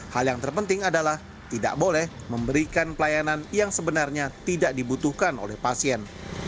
hal yang terpenting adalah tidak boleh memberikan pelayanan yang sebenarnya tidak dibutuhkan oleh pasien